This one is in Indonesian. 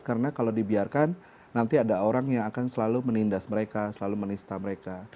karena kalau dibiarkan nanti ada orang yang akan selalu menindas mereka selalu menista mereka